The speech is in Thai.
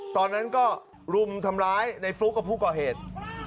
ตอนนั้นก็รุมทำร้ายในฟลุ๊กกับผู้ก่อเหตุ